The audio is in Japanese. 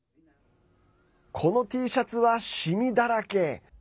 このＴシャツは染みだらけ。